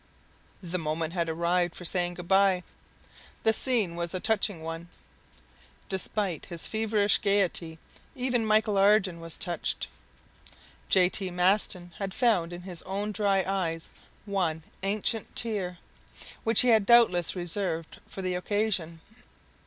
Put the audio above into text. The moment had arrived for saying "good by!" The scene was a touching one. Despite his feverish gayety, even Michel Ardan was touched. J. T. Maston had found in his own dry eyes one ancient tear, which he had doubtless reserved for the occasion.